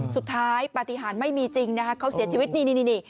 ปฏิหารไม่มีจริงนะคะเขาเสียชีวิตนี่